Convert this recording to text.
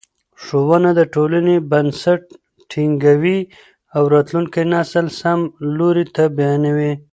ښوونه د ټولنې بنسټ ټینګوي او راتلونکی نسل سم لوري ته بیايي.